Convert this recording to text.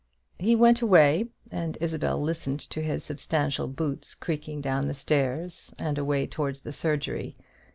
He went away, and Isabel listened to his substantial boots creaking down the stairs, and away towards the surgery.